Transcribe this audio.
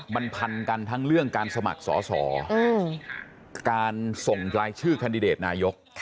มันพันกันทั้งเรื่องการสมัครสอสอการส่งรายชื่อแคนดิเดตนายก